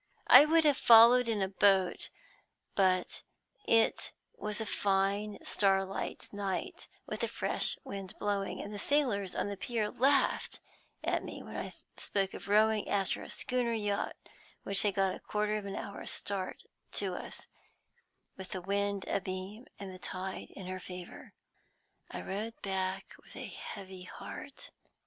I would have followed in a boat, but it was a fine starlight night, with a fresh wind blowing, and the sailors on the pier laughed at me when I spoke of rowing after a schooner yacht which had got a quarter of an hour's start of us, with the wind abeam and the tide in her favor. I rode back with a heavy heart.